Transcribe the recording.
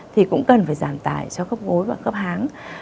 thì cũng cần phải giảm tài cho khớp gối và khớp kháng